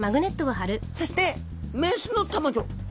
そして雌のたまギョ。